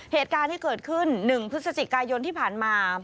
เหตุการณ์ที่เกิดขึ้น๑พฤศจิกายนที่ผ่านมา